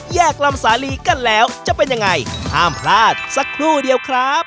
ลำสาลีกันแล้วจะเป็นยังไงห้ามพลาดสักครู่เดียวครับ